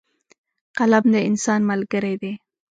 قلم د انسان ملګری دی.